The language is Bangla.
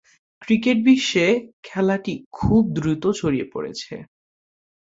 ক্রিকেট বিশ্বে খেলাটি খুব দ্রুত ছড়িয়ে পড়েছে।